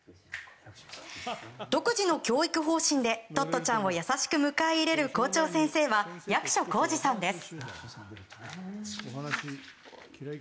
独自の教育方針でトットちゃんを優しく迎え入れる校長先生は役所広司さんです。